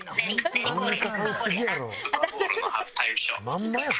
まんまやん。